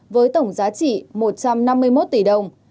với tổng giá trị một trăm năm mươi một tỷ đồng